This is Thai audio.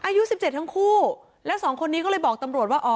อายุ๑๗ทั้งคู่แล้วสองคนนี้ก็เลยบอกตำรวจว่าอ๋อ